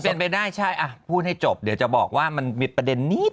เป็นไปได้ใช่อ่ะพูดให้จบเดี๋ยวจะบอกว่ามันมีประเด็นนิด